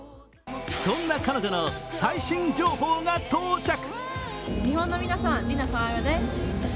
そんな彼女の最新情報が到着。